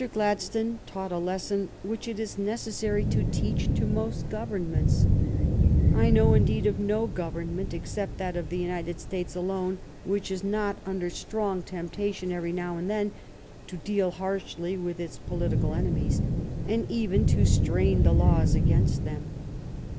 Gladstone taught a lesson which it is neces sary to teach to most Governments. I know, in deed, of no Government, except that of the United States alone, which is not under strong temptation 142 THE STORY OF GLADSTONE'S LIFE every now and then to deal harshly with its political enemies, and even to strain the laws against them.